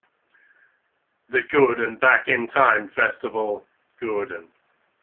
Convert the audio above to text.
The Gordon Back in Time Festival, Gordon.